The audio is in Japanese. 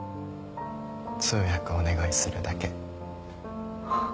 通訳お願いするだけ。